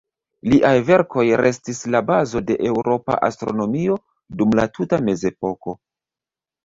Liaj verkoj restis la bazo de eŭropa astronomio dum la tuta mezepoko.